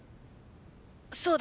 そうだ！